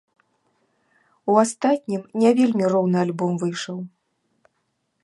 У астатнім не вельмі роўны альбом выйшаў.